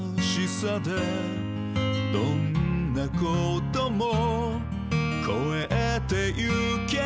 「どんなことも越えてゆける」